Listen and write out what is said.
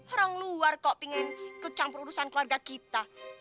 orang luar kok pengen kecam perudusan keluarga kita